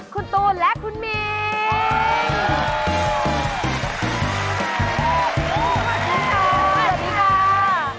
คุณตูและคุณมิง